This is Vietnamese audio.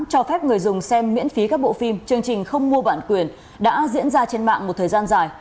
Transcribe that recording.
cho phép người dùng xem miễn phí các bộ phim chương trình không mua bản quyền đã diễn ra trên mạng một thời gian dài